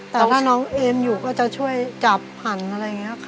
แต่ถ้าน้องเอ็มอยู่ก็จะช่วยจับหันอะไรอย่างนี้ค่ะ